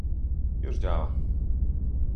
Już działa